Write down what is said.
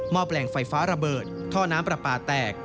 แปลงไฟฟ้าระเบิดท่อน้ำปลาปลาแตก